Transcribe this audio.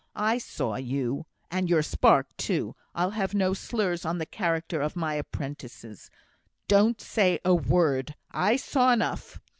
I saw you, and your spark, too. I'll have no slurs on the character of my apprentices. Don't say a word. I saw enough.